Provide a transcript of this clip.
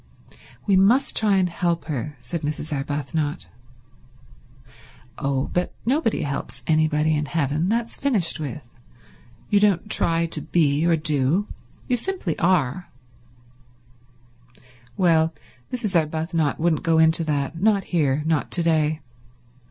"We must try and help her," said Mrs. Arbuthnot. "Oh, but nobody helps anybody in heaven. That's finished with. You don't try to be, or do. You simply are." Well, Mrs. Arbuthnot wouldn't go into that—not here, not to day.